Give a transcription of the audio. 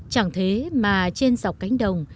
chẳng thế mà trên dọc cánh đồng